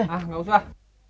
ah nggak usah